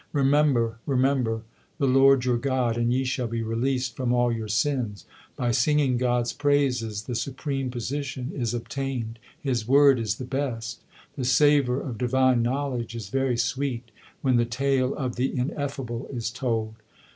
Remember, remember the Lord your God, and ye shall be released from all your sins. By singing God s praises the supreme position is obtained ; His word is the best. The savour of divine knowledge is very sweet when the tale of the Ineffable is told.